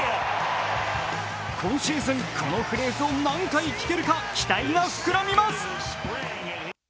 今シーズン、このフレーズを何回聞けるか期待が膨らみます。